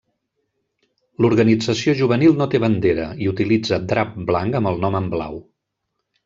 L'organització juvenil no té bandera, i utilitza drap blanc amb el nom en blau.